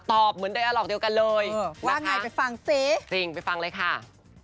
เหมือนไดอาหลอกเดียวกันเลยว่าไงไปฟังสิจริงไปฟังเลยค่ะ